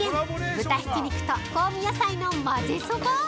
豚ひき肉と香味野菜の混ぜそば！